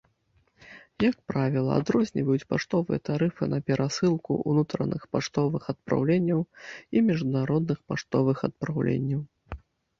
Як правіла, адрозніваюць паштовыя тарыфы на перасылку ўнутраных паштовых адпраўленняў і міжнародных паштовых адпраўленняў.